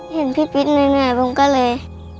เห็นพี่ปิ๊ดแน่ผมก็เลย